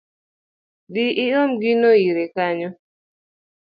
Dhi iom gino ire kanyo